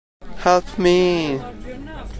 Help Me